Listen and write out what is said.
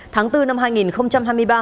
tháng bốn năm hai nghìn hai mươi ba